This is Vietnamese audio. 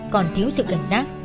còn thiếu sự cảnh giác